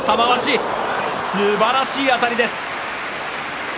すばらしいあたりです。